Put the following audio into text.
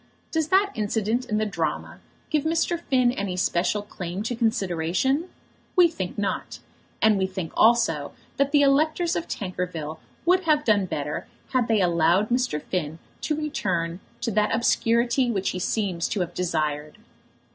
Does that incident in the drama give Mr. Finn any special claim to consideration? We think not; and we think also that the electors of Tankerville would have done better had they allowed Mr. Finn to return to that obscurity which he seems to have desired.